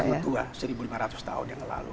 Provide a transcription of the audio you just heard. betul sudah sangat tua satu lima ratus tahun yang lalu